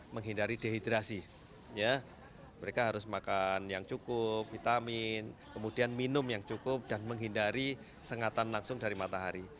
menghindari dehidrasi mereka harus makan yang cukup vitamin kemudian minum yang cukup dan menghindari sengatan langsung dari matahari